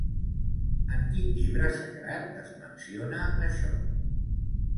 En quin llibre sagrat es menciona això?